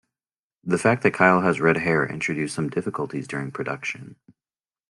The fact that Kyle has red hair introduced some difficulties during production.